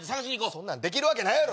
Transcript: そんなんできるわけないやろ！